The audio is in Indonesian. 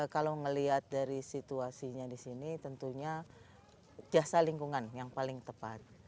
kalau melihat dari situasinya di sini tentunya jasa lingkungan yang paling tepat